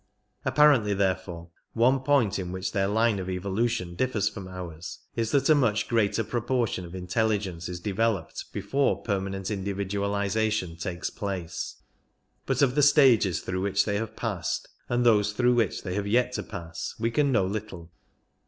Apparently therefore one point in which their line of evolution differs from ours is that a much greater pro portion of intelligence is developed before permanent in dividualization takes place ; but of the stages through which they have passed, and those through which they have yet to pass, we can know little.